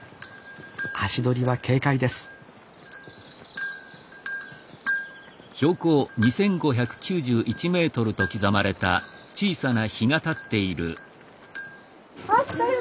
足取りは軽快ですあったよ